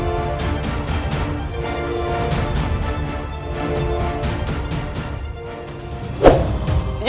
hancurkan kota yang paling tinggi